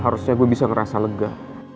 harusnya gue bisa ngerasa lega